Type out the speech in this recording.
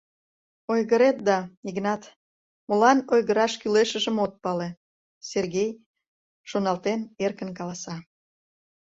— Ойгырет да, Игнат, молан ойгыраш кӱлешыжым от пале, — Сергей, шоналтен, эркын каласа.